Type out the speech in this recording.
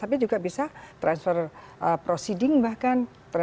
tapi juga bisa transfer proceeding bahkan